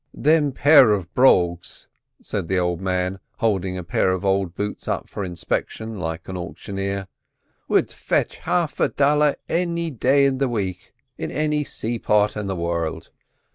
"Thim pair of brogues," said the old man, holding a pair of old boots up for inspection like an auctioneer, "would fetch half a dollar any day in the wake in any sayport in the world.